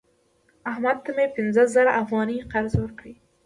احمد ته مې پنځه زره افغانۍ قرض ورکړی